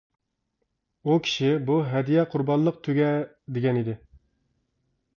ئۇ كىشى: بۇ ھەدىيە قۇربانلىق تۆگە، دېگەن ئىدى.